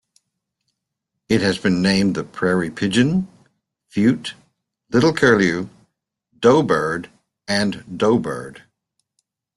It has been named the prairie pigeon, fute, little curlew, doe-bird, and doughbird.